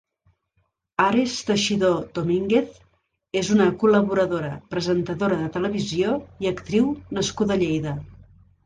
Ares Teixidó Domínguez és una col·laboradora, presentadora de televisió i actriu nascuda a Lleida.